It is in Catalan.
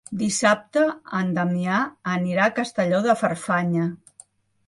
Dissabte en Damià anirà a Castelló de Farfanya.